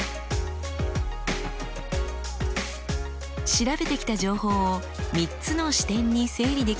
調べてきた情報を３つの視点に整理できました。